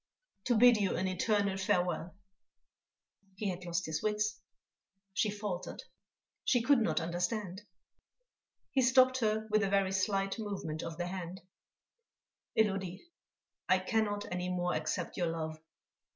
"To bid you an eternal farewell." He had lost his wits, she faltered, she could not understand.... He stopped her with a very slight movement of the hand: "Élodie, I cannot any more accept your love."